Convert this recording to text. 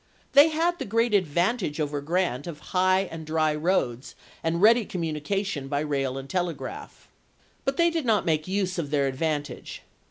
They had the great ad vantage over Grant of high and dry roads and ready communication by rail and telegraph. But they did not make use of their advantage.